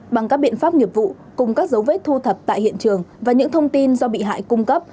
bằng các biện pháp nghiệp vụ cùng các dấu vết thu thập tại hiện trường và những thông tin do bị hại cung cấp